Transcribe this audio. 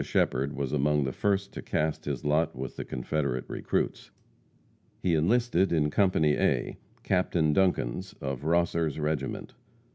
Shepherd was among the first to cast his lot with the Confederate recruits. He enlisted in company A, Captain Duncan's, of Rosser's regiment.